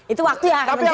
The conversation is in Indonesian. itu waktu ya yang menjawab